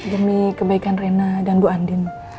demi kebaikan rena dan bu andin